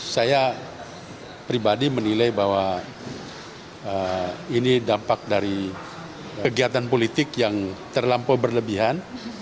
saya pribadi menilai bahwa ini dampak dari kegiatan politik yang terlampau berlebihan